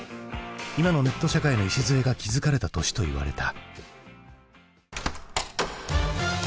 今のネット社会の礎が築かれた年といわれた。